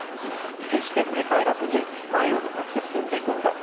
決して振り返らずに前を向かって進んでいくんだ。